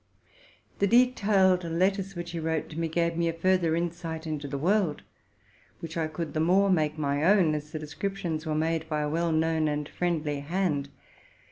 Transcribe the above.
The detailed letters which he wrote to me gave me a farther insight into the world, which I could the more make my own as the descrip tions were made by a well known and friendly hand.